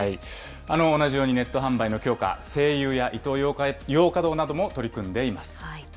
同じようにネット販売の強化、西友やイトーヨーカ堂なども取り組んでいます。